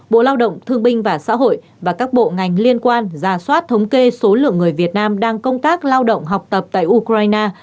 bộ lao động thương binh và xã hội và các bộ ngành liên quan ra soát thống kê số lượng người việt nam đang công tác lao động học tập tại ukraine